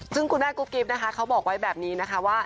ซึ่งคุณแม่กุ๊กกิ๊บนะคะเขาบอกไว้แบบนี้นะคะว่า